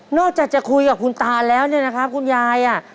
อกจากจะคุยกับคุณตาแล้วเนี่ยนะครับคุณยายอ่ะ